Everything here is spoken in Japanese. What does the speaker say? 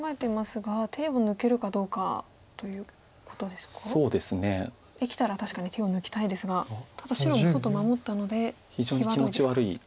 できたら確かに手を抜きたいですがただ白も外守ったので際どいですか。